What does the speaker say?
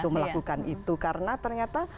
melakukan itu karena ternyata